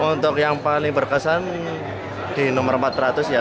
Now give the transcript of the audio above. untuk yang paling berkesan di nomor empat ratus ya